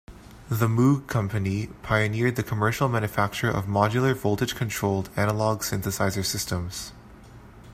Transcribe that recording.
The Moog company pioneered the commercial manufacture of modular voltage-controlled analog synthesizer systems.